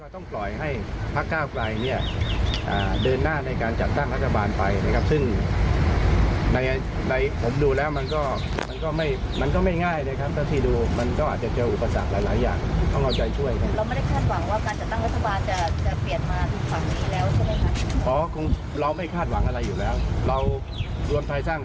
ที่บอกเสียงแล้วก็รวมที่จะทำหน้าที่ฝ่ายค้านอยู่แล้ว